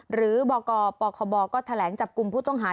หรือบกปคบก็แถลงจับกลุ่มผู้ต้องหา